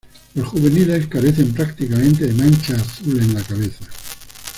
Los juveniles carecen prácticamente de mancha azul en la cabeza.